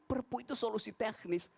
perpu itu solusi teknis